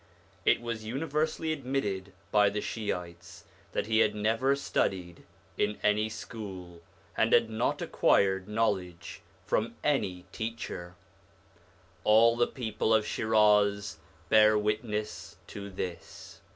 It was universally admitted by the Shiites that he had never studied in any school, and had not acquired knowledge from any teacher ; all the people of Shiraz bear witness to this.